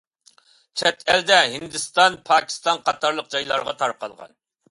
چەت ئەلدە ھىندىستان، پاكىستان قاتارلىق جايلارغا تارقالغان.